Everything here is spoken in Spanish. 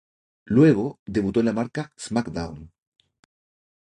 Luego, debutó en la marca "SmackDown!